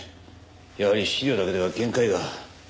やはり資料だけでは限界が。